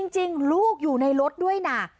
จริงลูกอยู่ในรถด้วยนะ